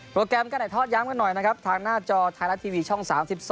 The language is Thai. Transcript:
แกรมการถ่ายทอดย้ำกันหน่อยนะครับทางหน้าจอไทยรัฐทีวีช่อง๓๒